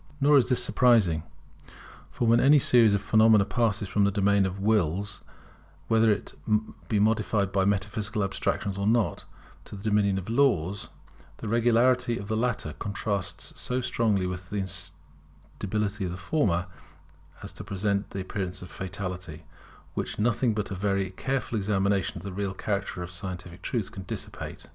Nor is this surprising; for when any series of phenomena passes from the dominion of Wills, whether modified by metaphysical abstractions or not, to the dominion of Laws, the regularity of the latter contrasts so strongly with the instability of the former, as to present an appearance of fatality, which nothing but a very careful examination of the real character of scientific truth can dissipate.